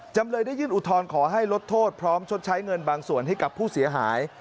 จำเลยได้ยื่นอุทธรณ์ขอให้ลดโทษพร้อมชดใช้เงินบางส่วนให้กับผู้เสียหาย